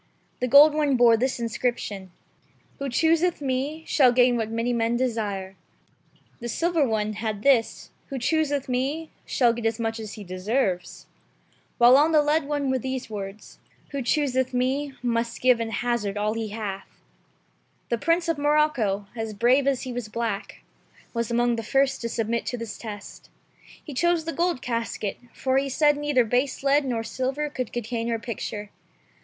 The gold one bore this Inscription :— "Who chooseth me shall gain what many men desire" ; the silver one had this :— "Who chooseth me shall get as much as he deserves" ; while on the lead one were these words :— "Who chooseth me must give and hazard all he hath." The Prince of Morocco, as CHOOSING THE CASKET. * I choose the lead cMket." 70 THE CHILDREN'S SHAKESPEARE. brave as he was black, was among the first to submit to this test. He chose the gold casket, for he said neither base lead nor silver could contain her picture.